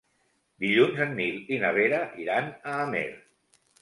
Dilluns en Nil i na Vera iran a Amer.